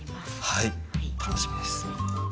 はい楽しみです